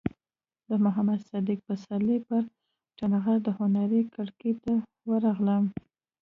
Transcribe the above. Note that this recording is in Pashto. د محمد صدیق پسرلي پر ټغر د هنر کړکۍ ته ورغلم.